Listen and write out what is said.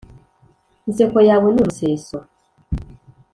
inseko yawe ni umuseso